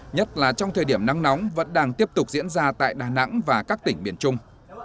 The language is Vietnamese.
nhất là trong thời điểm nắng nóng vẫn đang tiếp tục diễn ra tại đà nẵng và các tỉnh miền trung